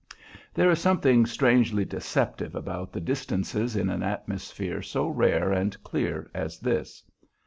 There is something strangely deceptive about the distances in an atmosphere so rare and clear as this.